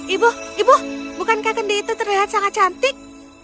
ibu ibu bukankah kendi itu terlihat sangat cantik